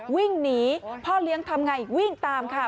วิ่งหนีพ่อเลี้ยงทำไงวิ่งตามค่ะ